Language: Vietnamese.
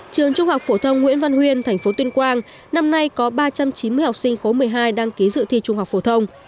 trường trung học phổ thông nguyễn văn huyên tp tuyên quang năm nay có ba trăm chín mươi học sinh khối một mươi hai đăng ký dự thi trung học phổ thông